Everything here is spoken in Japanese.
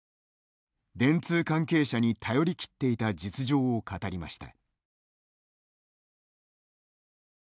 電通関係者に頼りきっていた実情を語りました。